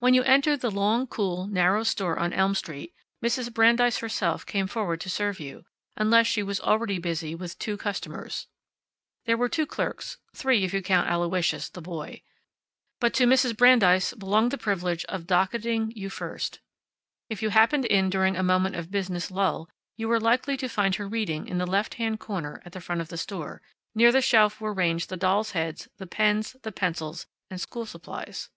When you entered the long, cool, narrow store on Elm Street, Mrs. Brandeis herself came forward to serve you, unless she already was busy with two customers. There were two clerks three, if you count Aloysius, the boy but to Mrs. Brandeis belonged the privilege of docketing you first. If you happened in during a moment of business lull, you were likely to find her reading in the left hand corner at the front of the store, near the shelf where were ranged the dolls' heads, the pens, the pencils, and school supplies.